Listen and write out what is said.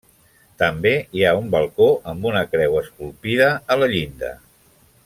També hi ha un balcó amb una creu esculpida a la llinda.